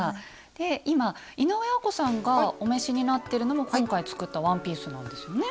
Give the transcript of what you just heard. で今井上アコさんがお召しになってるのも今回作ったワンピースなんですよね。